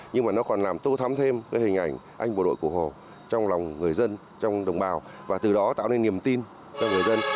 nhưng mà nó còn làm tô thắm thêm hình ảnh anh bộ đội cụ hồ trong lòng người dân trong đồng bào và từ đó tạo nên niềm tin cho người dân